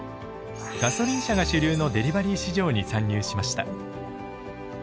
ガソリン車が主流のデリバリー市場に参入しました。